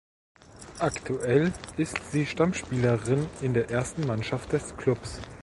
Aktuell ist sie Stammspielerin in der Ersten Mannschaft des Klubs.